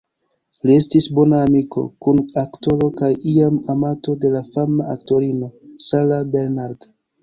Li estis bona amiko, kun-aktoro, kaj iam amanto de la fama aktorino Sarah Bernhardt.